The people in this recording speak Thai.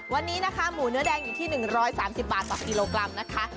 วันนี้นะคะหมูเนื้อแดงอยู่ที่๑๓๐บาทต่อกิโลกรัมนะคะ